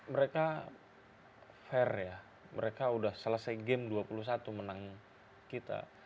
mereka fair ya mereka sudah selesai game dua puluh satu menang kita